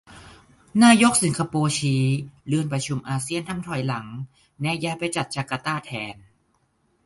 นายกสิงคโปร์ชี้เลื่อนประชุมอาเซียนทำถอยหลัง แนะย้ายไปจัดจาร์การ์ตาแทน